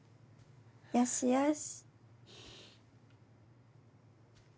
よしよし。